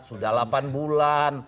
sudah delapan bulan